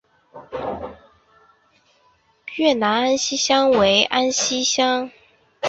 越南安息香为安息香科安息香属下的一个种。